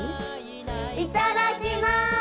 いただきます。